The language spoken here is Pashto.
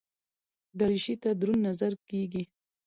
دریشي ته دروند نظر کېږي.